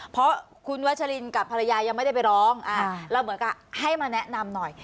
เพราะคุณวัชลินกับภรรยายังไม่ได้ไปร้องเราเหมือนกับให้มาแนะนำหน่อย